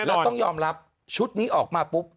เราต้องยอมรับชุดนี้ออกมาปุ๊บ